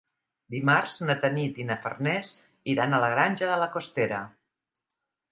Dimarts na Tanit i na Farners iran a la Granja de la Costera.